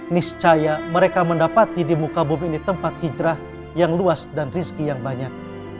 niscaya mereka mendapati di muka bumi ini tempat hijrah yang luas dan rizki yang banyak